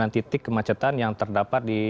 empat puluh sembilan titik kemacetan yang terdapat di